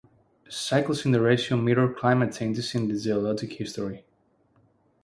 Cycles in the ratio mirror climate changes in geologic history.